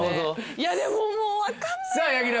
いやでももう分かんないな。